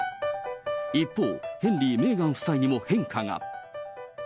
一方、ヘンリー、メーガン夫妻にも変化が。